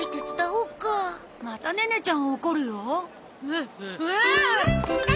うん！